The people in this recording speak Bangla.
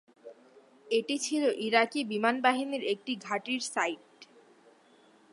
এটি ছিল ইরাকি বিমানবাহিনীর একটি ঘাঁটির সাইট।